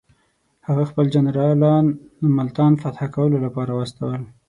هغه خپل جنرالان ملتان فتح کولو لپاره واستول.